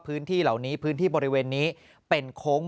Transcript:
พื้นที่เหล่านี้พื้นที่บริเวณนี้เป็นโค้ง